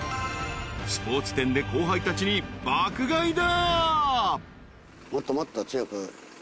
［スポーツ店で後輩たちに爆買いだ］